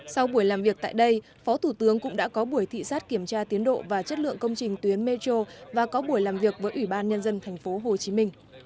sau buổi làm việc tại đây phó thủ tướng cũng đã có buổi thị sát kiểm tra tiến độ và chất lượng công trình tuyến metro và có buổi làm việc với ủy ban nhân dân tp hcm